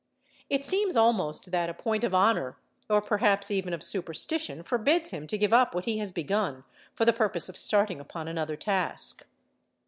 It seems almost that a point of honour or perhaps even of superstition forbids him to give up what he has begun for the purpose of starting upon another task.